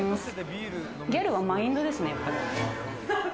ギャルはマインドですね、やっぱり。